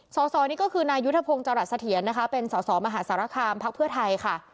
สธนี่ก็คือนายุทธพงศ์จรัสเถียนเป็นสธมหาศาลคาร์มพักเพื่อไทยค่ะ